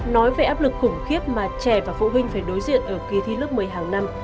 nói về áp lực khủng khiếp mà trẻ và phụ huynh phải đối diện ở kỳ thi lớp một mươi hàng năm